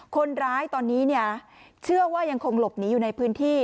คนร้ายตอนนี้เนี่ยเชื่อว่ายังคงหลบหนีอยู่ในพื้นที่